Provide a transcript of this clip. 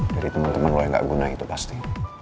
dari temen temen lo yang gak guna itu pasti